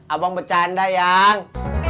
abang bercanda yang